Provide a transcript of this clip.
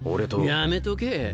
やめとけ。